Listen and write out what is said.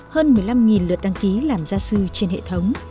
hơn một mươi năm lượt đăng ký làm gia sư trên hệ thống